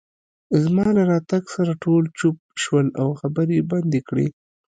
زما له ورتګ سره ټول چوپ شول، او خبرې يې بندې کړې.